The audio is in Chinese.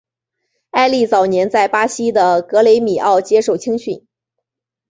埃利早年在巴西的格雷米奥接受青训。